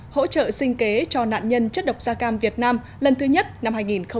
hỗ trợ sinh kế cho nạn nhân chất độc gia cam việt nam lần thứ nhất năm hai nghìn một mươi chín